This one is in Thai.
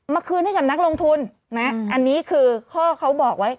คืนให้กับนักลงทุนนะอันนี้คือข้อเขาบอกไว้